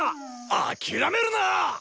諦めるな！